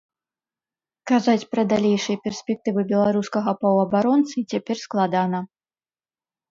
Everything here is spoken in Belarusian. Казаць пра далейшыя перспектывы беларускага паўабаронцы цяпер складана.